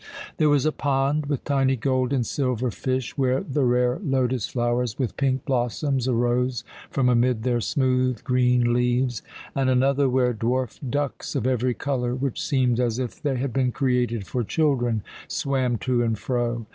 There was a pond with tiny gold and silver fish, where the rare lotus flowers with pink blossoms arose from amid their smooth green leaves, and another where dwarf ducks of every colour, which seemed as if they had been created for children, swam to and fro.